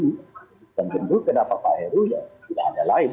dan tentu kenapa pak heru ya tidak ada lain